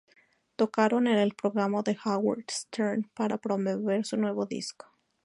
Tocaron en el programa de Howard Stern para promover su nuevo disco.